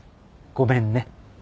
ごめんね。